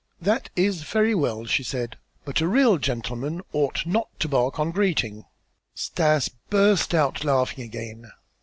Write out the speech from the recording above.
"That is very well," she said, "but a real gentleman ought not to bark on greeting." Stas burst out laughing again.